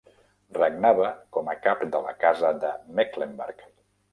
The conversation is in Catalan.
Regnava com a cap de la Casa de Mecklenburg.